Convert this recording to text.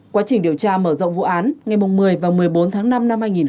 quá trình điều tra mở rộng vụ án ngày một mươi và một mươi bốn tháng năm năm hai nghìn hai mươi